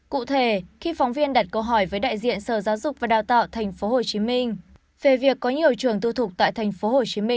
cụ thể khi phóng viên đặt câu hỏi với đại diện sở giáo dục và đào tạo tp hcm về việc có nhiều trường tư thục tại tp hcm